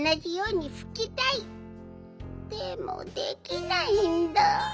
でもできないんだ。